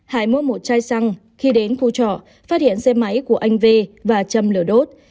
hải mua một chai xăng khi đến khu trọ phát hiện xe máy của anh v và châm lửa đốt